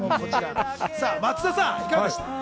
松田さん、いかがでした？